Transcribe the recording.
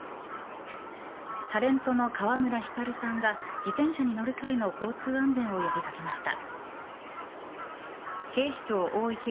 タレントの川村ひかるさんが自転車に乗る際の交通安全を呼び掛けました。